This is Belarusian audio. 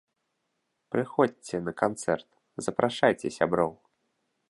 Прыходзьце на канцэрт, запрашайце сяброў!